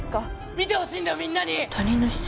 見てほしいんだよ、みんなに！